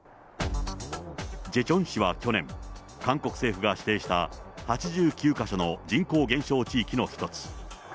ジェチョン市は去年、韓国政府が指定した８９か所の人口減少地域の一つ。